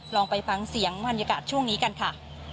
ลองไปฟังเสียงบรรยากาศช่วงนี้กันค่ะ